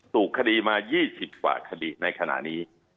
ถูกคดีมายี่สิบกว่าคดีในขณะนี้